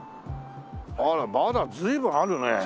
あらまだ随分あるね。